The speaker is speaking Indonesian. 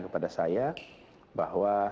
kepada saya bahwa